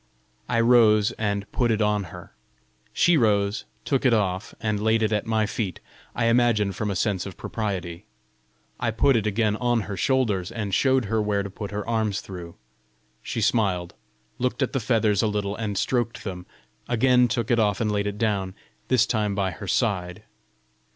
I rose and put it on her. She rose, took it off, and laid it at my feet I imagine from a sense of propriety. I put it again on her shoulders, and showed her where to put her arms through. She smiled, looked at the feathers a little and stroked them again took it off and laid it down, this time by her side.